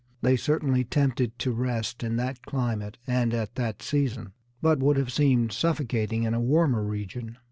They certainly tempted to rest in that climate and at that season, but would have seemed suffocating in a warmer region.